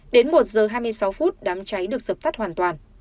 đến một giờ hai mươi sáu phút đám cháy được dập tắt hoàn toàn